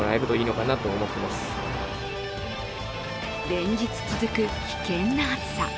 連日続く危険な暑さ。